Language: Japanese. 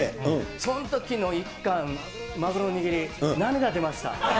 そのときの一貫、マグロの握り、涙出ました。